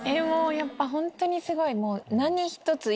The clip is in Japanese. やっぱホントにすごい。